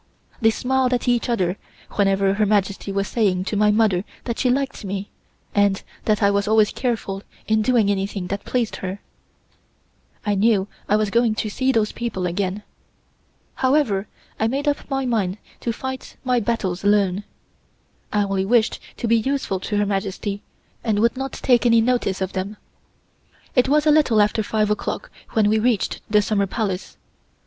They smiled to each other whenever Her Majesty was saying to my mother that she liked me, and that I was always careful in doing anything that pleased her. I knew I was going to see those people again. However, I made up my mind to fight my battles alone. I only wished to be useful to Her Majesty, and would not take any notice of them. It was a little after five o'clock when we reached the Summer Palace.